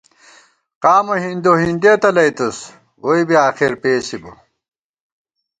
قامہ ہِندوہِندِیَہ تلَئیتُوس ، ووئی بی آخر پېسِبہ